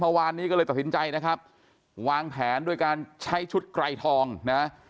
เมื่อวานนี้ก็เลยตัดสินใจนะครับวางแผนด้วยการใช้ชุดไกรทองนะ